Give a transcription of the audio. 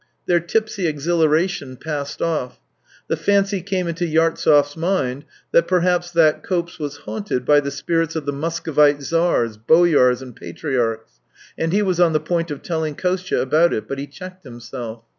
Their tipsy exhilara tion passed off. The fancy came into Yartsev's mind that perhaps that copse was haunted by the spirits of the Muscovite Tsars, boyars, and patriarchs, and he was on the point of telling Kostya about it, but he checked himself.